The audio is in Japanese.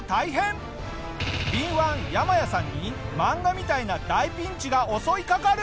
敏腕ヤマヤさんにマンガみたいな大ピンチが襲いかかる！